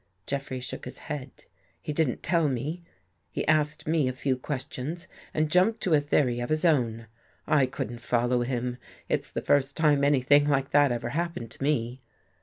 Jeffrey shook his head. " He didn't tell me. He asked me a few questions and jumped to a theory of his own. I couldn't follow him. It's the first time 64 BELIEVING IN GHOSTS anything like that ever happened to me.